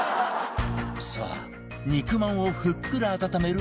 さあ肉まんをふっくら温める